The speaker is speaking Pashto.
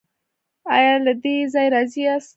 ایا له دې ځای راضي یاست؟